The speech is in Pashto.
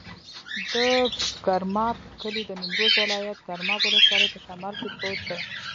د ګرماب کلی د نیمروز ولایت، ګرماب ولسوالي په شمال کې پروت دی.